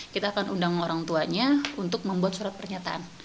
kita akan undang orang tuanya untuk membuat surat pernyataan